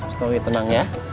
snowy tenang ya